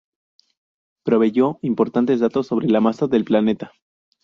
Proveyó importantes datos sobre la masa del planeta.